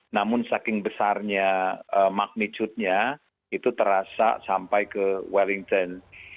namun saking besarnya magnitudenya itu terasa sampai ke wellington